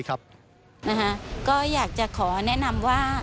ก็อยากจะขอแนะนำว่า